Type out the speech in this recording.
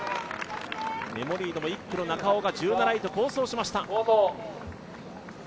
メモリードも１区の中尾が好走しました。